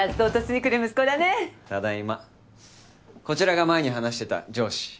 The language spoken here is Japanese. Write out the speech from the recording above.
こちらが前に話してた上司。